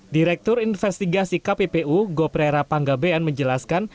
direktur investigasi kppu goprera panggabean menjelaskan